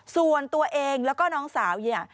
ส่วนตัวเองแล้วก็น้องสาวเนี่ย